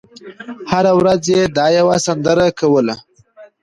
هره ورځ یې دا یوه سندره کړله